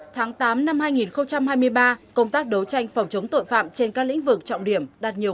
tháng tám năm hai nghìn hai mươi ba công tác đấu tranh phòng chống tội phạm trên các lĩnh vực trọng điểm đạt nhiều